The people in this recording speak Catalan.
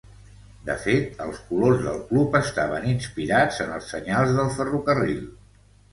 De fet, els colors del club estaven inspirats en els senyals del ferrocarril.